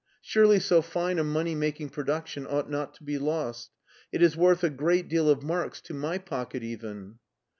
Surely so fine a money making production ought not to be lost. It is worth a great deal of marks to my pocket even."